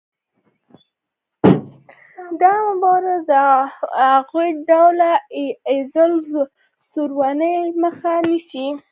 دا مبارزه د هغوی د ډله ایزې ځورونې مخه نیسي.